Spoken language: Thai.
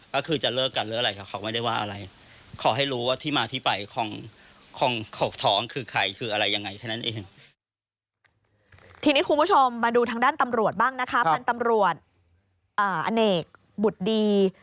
ก็คือจะเลิกกันหรืออะไร